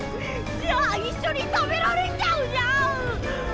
じゃあ一緒に食べられちゃうじゃん！